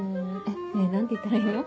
ねぇ何て言ったらいいの？